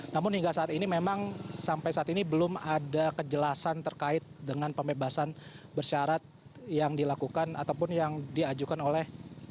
namun hingga saat ini memang sampai saat ini belum ada kejelasan terkait dengan pembebasan bersyarat yang dilakukan ataupun yang diajukan oleh